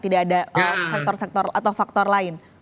tidak ada sektor sektor atau faktor lain